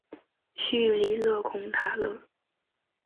叙里勒孔塔勒。